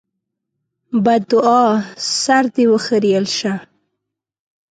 بدوعا: سر دې وخرېيل شه!